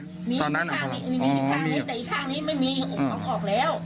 มีอีกข้างนี้อีกข้างนี้แต่อีกข้างนี้ไม่มีออกแล้ว